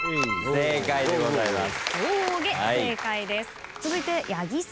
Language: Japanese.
正解でございます。